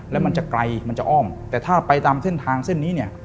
แล้วมันจะไกลมันจะอ้อมแต่ถ้าไปตามเส้นทางเส้นนี้เนี่ย